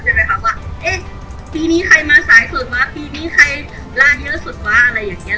ใช่ไหมคะว่าเอ๊ะปีนี้ใครมาสายสุดวะปีนี้ใครลาเยอะสุดวะอะไรอย่างนี้